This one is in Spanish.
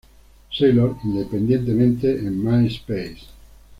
Sailor" independientemente en Myspace.